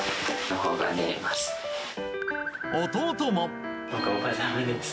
弟も。